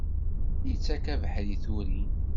Yettak abeḥri i turin!